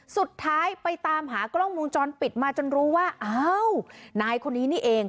สุดท้ายไปตามหากล้องวงจรปิดมาจนรู้ว่าอ้าวนายคนนี้นี่เอง